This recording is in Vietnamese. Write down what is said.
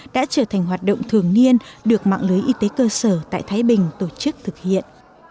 đã trở thành hoạt động thường niên được mạng lưới y tế cơ sở tại thái bình tổ chức thực hiện